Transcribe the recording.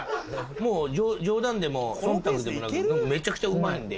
もう冗談でも忖度でもなくめちゃくちゃうまいんで。